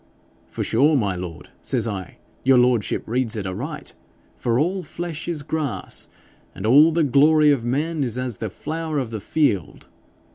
"For sure, my lord," says I, "your lordship reads it aright, for all flesh is grass, and all the glory of man is as the flower of the field."